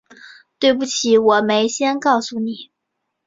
对不起，我没先告诉你